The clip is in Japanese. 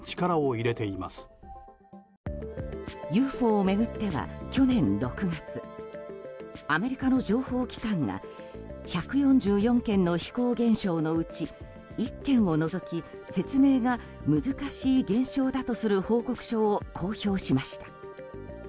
ＵＦＯを巡っては去年６月アメリカの情報機関が１４４件の飛行現象のうち１件を除き説明が難しい現象だとする報告書を公表しました。